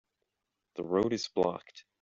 The road is blocked.